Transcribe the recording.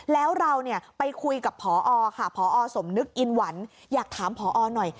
แล้วเราเนี่ยไปคุยกับพอค่ะพอสมนึกอินหวันอยากถามพอหน่อย